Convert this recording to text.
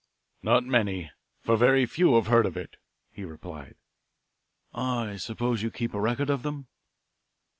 "Not many, for very few have heard of it," he replied. "I suppose you keep a record of them."